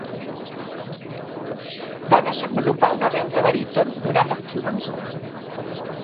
Va desenvolupar una veu de baríton durant la joventut.